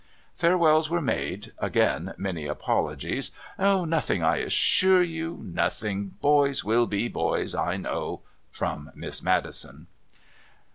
Farewells were made again many apologies "Nothing, I assure you, nothing. Boys will be boys, I know," from Miss Maddison.